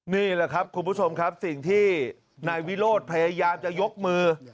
นี่แหละครับคุณผู้ชมครับสิ่งที่นายวิโรธพยายามจะยกมือ